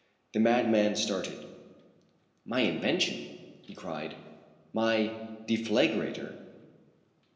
The madman started. "My invention?" he cried. "My deflagrator?"